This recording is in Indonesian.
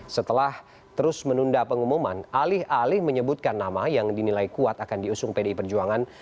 setelah terus menunda pengumuman alih alih menyebutkan nama yang dinilai kuat akan diusung pdi perjuangan